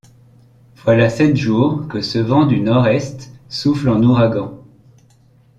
Voilà sept jours que ce vent du nord-est souffle en ouragan.